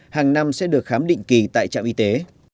hàng năm sẽ được khám định kỳ tại trạm y tế